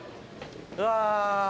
うわ。